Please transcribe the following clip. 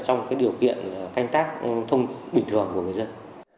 trong điều kiện canh tác bình thường của người dân